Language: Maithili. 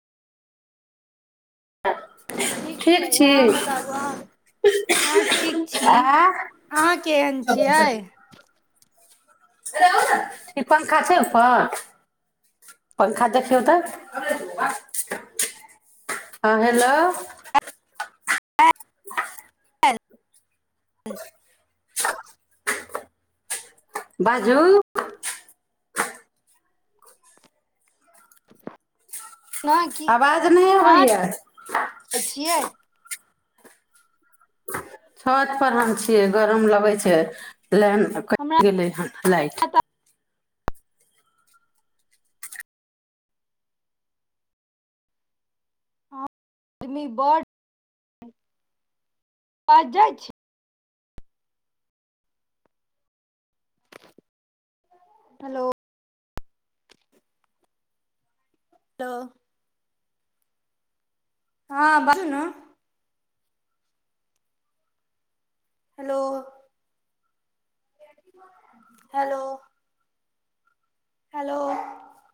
ठीक छै अहाँ बताबू अहाँ हँ ठीक छी। आँ अहाँ केहन छियै? [unintelligible] ई पंखा छै उपर। पंखा देखियो त, हँ हेलो [inaudible] बाजू। न की आवाज नहि अहाँ अबैया [unintelligible] छियै। छत पर हम छियै गरम लगै छै। लेन कटि हमरा गेलै हन लाइट। आदमी बड आवाज जाय छै। हेलो। लोउ। हँ बाजू ना। हेलो। हेलो। हेलो।